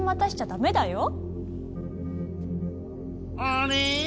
あれ？